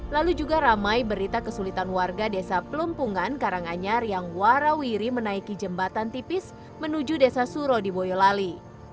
lalu juga ramai berita kesulitan warga desa pelumpungan karanganyar yang warawiri menaiki jembatan tipis menuju desa suro di boyolali